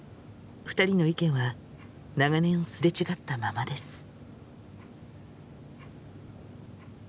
２人の意見は長年すれ違ったままです。